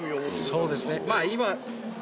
そうですね。